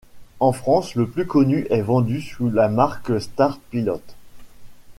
En France, le plus connu est vendu sous la marque Start Pilote.